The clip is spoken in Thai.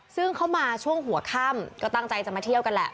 ซึ่งเขามาช่วงหัวค่ำก็ตั้งใจจะมาเที่ยวกันแหละ